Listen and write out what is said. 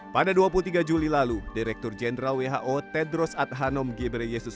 pada dua puluh tiga juli lalu direktur jenderal who tedros adhanom ghebreyesus